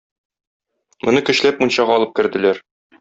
Моны көчләп мунчага алып керделәр.